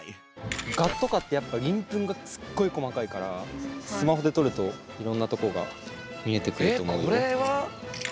ガとかってやっぱ鱗粉がすっごい細かいからスマホで撮るといろんなとこが見えてくると思うよ。